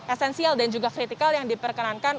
esensial dan juga kritikal yang diperkenankan